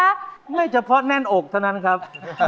ไม่เฉพาะแน่นอกเท่านั้นครับ